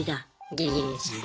ギリギリでしたね。